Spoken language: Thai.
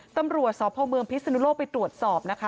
ตำรวจสพเมืองพิศนุโลกไปตรวจสอบนะคะ